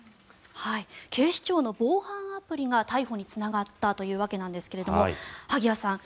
警視庁の防犯アプリが逮捕につながったというわけなんですが萩谷さん